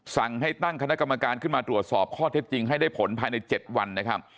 สั่งให้ตั้งคณะกรรมการขึ้นมาตรวจสอบข้อเท็จจริงให้ได้ผลภายใน๗วันนะครับ